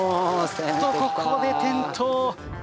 ここで転倒。